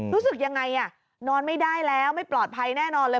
รู้สึกยังไงนอนไม่ได้แล้วไม่ปลอดภัยแน่นอนเลย